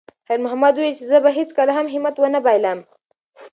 خیر محمد وویل چې زه به هیڅکله هم همت ونه بایللم.